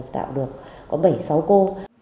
tạo được có bảy sáu cô